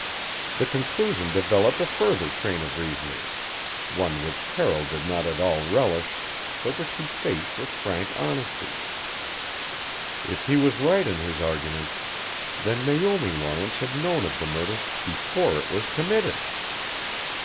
The conclusion developed a further train of reasoning one which Carroll did not at all relish, but which he faced with frank honesty. If he was right in his argument then Naomi Lawrence had known of the murder before it was committed!